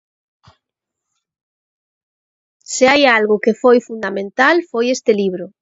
Se hai algo que foi fundamental, foi este libro.